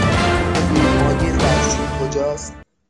می توانید بگویید مایع ظرف شویی کجاست؟